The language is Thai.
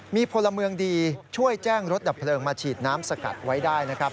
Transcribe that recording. มีพลเมืองดีช่วยแจ้งรถดับเพลิงมาฉีดน้ำสกัดไว้ได้นะครับ